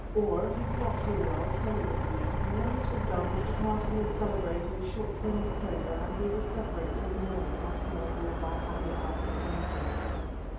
Or, if he did not feel well, Stella would read, and when this was done, Mr. Carson would celebrate a short form of prayer, and we would separate till the morning once more brought our happy hour of meeting.